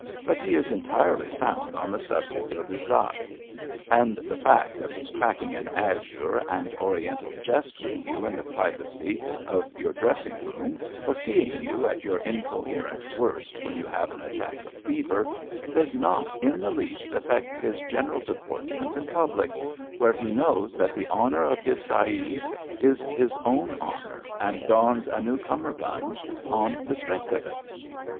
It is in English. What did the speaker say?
286 ABAFT THE FUNNEL but he is entirely sound on the subject of izzat; and the fact of his cracking an azure and Oriental jest with you in the privacy of your dressing* room, or seeing you at your incoherent worst when you have an attack of fever, does not in the least affect his general deportment in public, where he knows that the honour of his sahib is his own honour, and dons a new hummerhund on the strength of it.